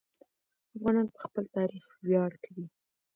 افغانان په خپل تاریخ ویاړ کوي.